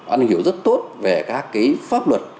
am hiểu rất tốt về các cái pháp luật